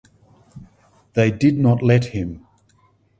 They did not let him.